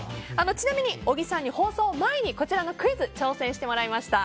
ちなみに小木さんに放送前にこちらのクイズに挑戦してもらいました。